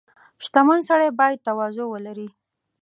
• شتمن سړی باید تواضع ولري.